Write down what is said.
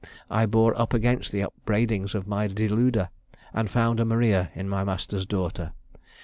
I bore up against the upbraidings of my deluder, and found a Maria in my master's daughter.